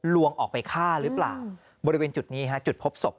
ลวงออกไปฆ่ารึเปล่าบรยวินจุดนี้ฮะจุดพบศพครับ